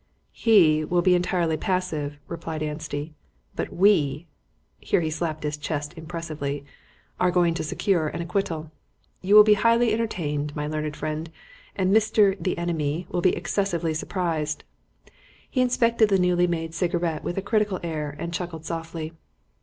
"He will be entirely passive," replied Anstey, "but we" here he slapped his chest impressively "are going to secure an acquittal. You will be highly entertained, my learned friend, and Mr. The Enemy will be excessively surprised." He inspected the newly made cigarette with a critical air and chuckled softly.